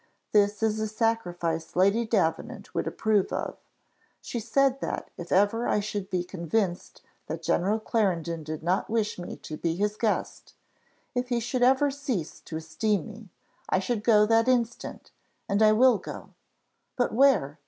This is a sacrifice Lady Davenant would approve of: she said that if ever I should be convinced that General Clarendon did not wish me to be his guest if he should ever cease to esteem me I should go, that instant and I will go. But where?